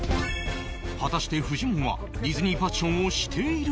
果たしてフジモンはディズニーファッションをしているのか？